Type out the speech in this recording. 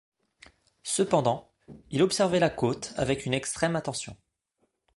Cependant, il observait la côte avec une extrême attention